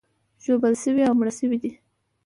ژوبل شوي او مړه شوي دي.